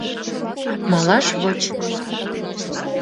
Малаш воч!..